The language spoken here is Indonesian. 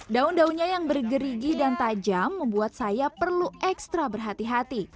daun daunnya yang bergerigi dan tajam membuat saya perlu ekstra berhati hati